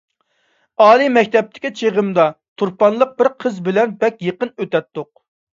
ئالىي مەكتەپتىكى چېغىمدا تۇرپانلىق بىر قىز بىلەن بەك يېقىن ئۆتەتتۇق.